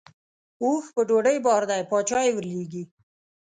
اوښ په ډوډۍ بار دی باچا یې ورلېږي.